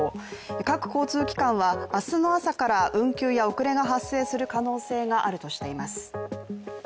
各交通機関は、明日の朝から運休や遅れが発生する可能性があるとしています。